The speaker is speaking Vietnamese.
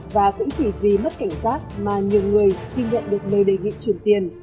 và cũng chỉ vì mất cảnh sát mà nhiều người khi nhận được lời đề nghị truyền tiền